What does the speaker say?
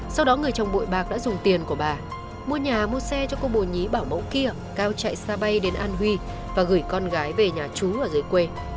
trong bội bạc đã dùng tiền của bà mua nhà mua xe cho cô bồ nhí bảo mẫu kia cao chạy xa bay đến an huy và gửi con gái về nhà chú ở dưới quê